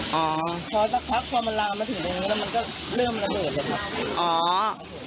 พอสักครั้งพอมันลามมาถึงตรงนี้แล้วมันก็เริ่มระเบิดเลย